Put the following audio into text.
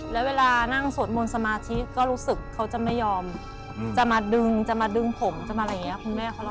แล้วเวลานั่งสวดมนต์สมาธิก็รู้สึกเขาจะไม่ยอมจะมาดึงจะมาดึงผมจะมาอะไรอย่างนี้คุณแม่เขารอ